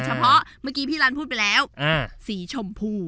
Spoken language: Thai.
เมื่อกี้พี่รันพูดไปแล้วสีชมพู